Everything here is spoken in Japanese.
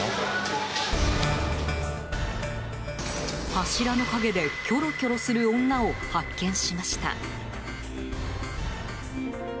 柱の陰でキョロキョロする女を発見しました。